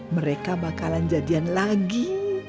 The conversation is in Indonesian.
mereka bakalan jadian lagi